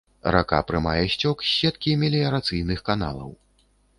Рака прымае сцёк з сеткі меліярацыйных каналаў.